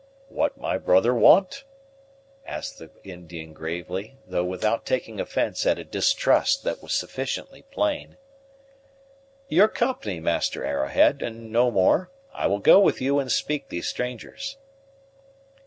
"What my brother want?" asked the Indian gravely, though without taking offence at a distrust that was sufficiently plain. "Your company, Master Arrowhead, and no more. I will go with you and speak these strangers."